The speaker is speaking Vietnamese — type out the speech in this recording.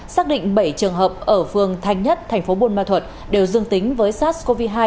xác định bảy trường hợp ở phường thanh nhất tp bunma thuật đều dương tính với sars cov hai